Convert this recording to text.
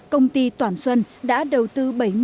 công ty toàn xuân đã đầu tư bảy mươi năm